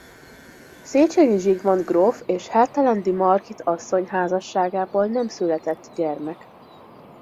Széchenyi Zsigmond gróf és Hertelendy Margit asszony házasságából nem született gyermek.